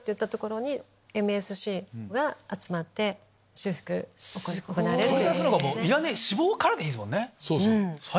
取り出すのがもういらない脂肪からでいいですもんね。